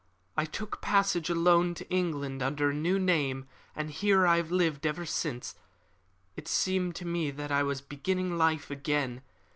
I took passage alone to England under a new name, and here I have lived ever since. It seemed to me that I was beginning life again.